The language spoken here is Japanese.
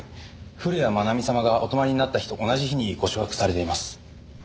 古谷愛美様がお泊まりになった日と同じ日にご宿泊されています。